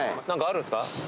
何かあるんですか？